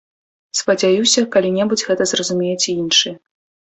Спадзяюся, калі-небудзь гэта зразумеюць і іншыя.